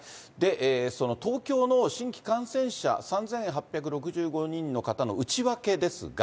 その東京の新規感染者、３８６５人の方の内訳ですが。